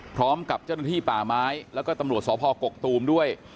พร้อมกับเจ้าหน้าที่ป่าไม้แล้วก็ตำรวจสพกกตูมด้วย